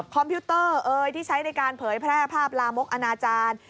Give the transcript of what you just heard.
พิวเตอร์ที่ใช้ในการเผยแพร่ภาพลามกอนาจารย์